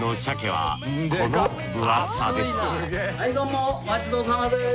はいどうもお待ちどおさまです。